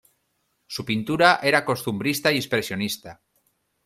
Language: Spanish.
Su pintura era costumbrista y expresionista.